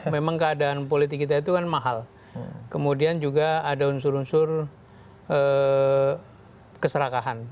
memang keadaan politik kita itu kan mahal kemudian juga ada unsur unsur keserakahan